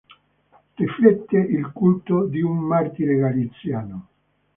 Riflette il culto di un martire galiziano.